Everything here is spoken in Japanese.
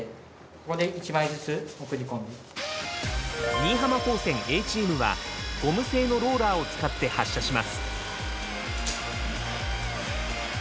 新居浜高専Ａチームはゴム製のローラーを使って発射します。